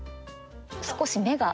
少し目が。